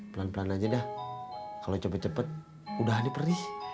pelan pelan aja dah kalo cepet cepet udahan nya perih